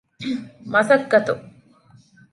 މަަސައްކަތު